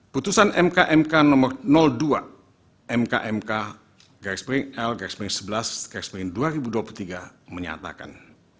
putusan mk mk no dua mk mk l sebelas dua ribu dua puluh tiga menyatakan